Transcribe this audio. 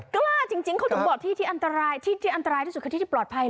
กล้าจริงเขาถึงบอกที่ที่อันตรายที่อันตรายที่สุดคือที่ที่ปลอดภัย